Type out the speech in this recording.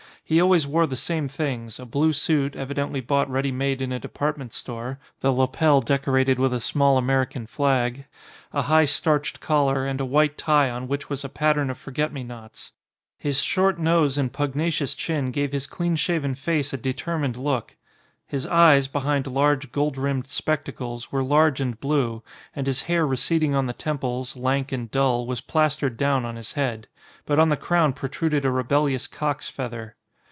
He always wore the same things , a blue suit, evidently bought ready made in a department store (the lapel decorated with a small American flag) a high starched collar and a white tie on which was a pattern of forget me nots. His short nose and pugnacious chin gave his clean shaven face a determined look; his eyes, behind large, gold rimmed spectacles, were large and blue; and his hair receding on the temples, lank and dull, was plastered down on his head. But on the crown protruded a rebellious cock's feather.